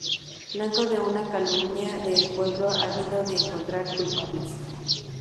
Blanco de una calumnia y de un pueblo ávido de encontrar culpables"".